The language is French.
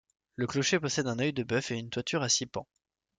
Le clocher possède un œil-de-bœuf et une toiture à six pans.